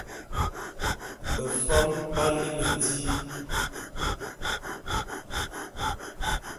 Befam b'á lí metíl.